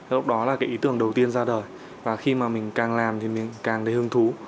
lúc đó là cái ý tưởng đầu tiên ra đời và khi mà mình càng làm thì mình càng thấy hương thú